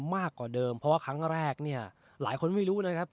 มากกว่าเดิมเพราะว่าครั้งแรกเนี่ยหลายคนไม่รู้นะครับ